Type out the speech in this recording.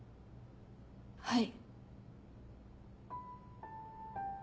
はい。